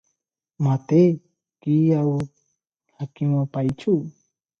ମୋତେ କି ଆଉ ହାକିମ ପାଇଛୁ?